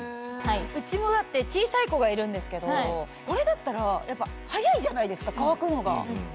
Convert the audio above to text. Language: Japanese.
うちもだって小さい子がいるんですけどこれだったらやっぱ早いじゃないですか乾くのが。